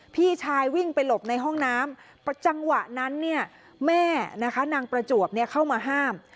พี่ชายวิ่งไปหลบในห้องน้ำจังหวะนั้นเนี่ยแม่นะคะนางประจวบเข้ามาห้าม